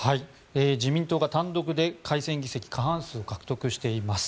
自民党が単独で改選議席過半数を獲得しています。